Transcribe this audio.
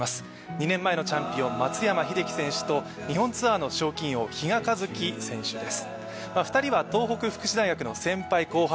２年前のチャンピオン・松山英樹選手と日本ツアーの賞金王・比嘉一貴選手です。